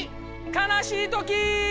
かなしいときー！